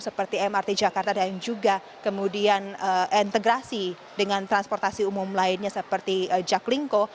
seperti mrt jakarta dan juga kemudian integrasi dengan transportasi umum lainnya seperti jaklingko